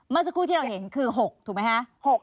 เมื่อสักครู่ที่เราเห็นคือ๖ถูกไหมคะ